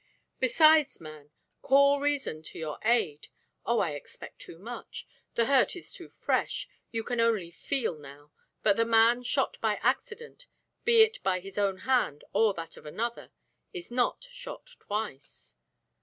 Besides, man, call reason to your aid! Oh, I expect too much. The hurt is too fresh, you can only feel now, but the man shot by accident, be it by his own hand or that of another, is not shot twice."